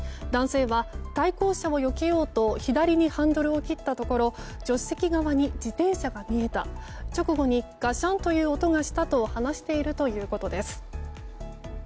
男性は対向車をよけようと左にハンドルを切ったところ助手席側に自転車が見えた直後にガシャンという音がしたと話しているということです。